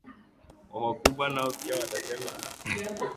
na wakubwa nao pia watasema aa